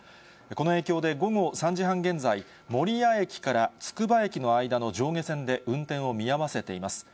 この影響で午後３時半現在、守谷駅からつくば駅の間の上下線で運転を見合わせています。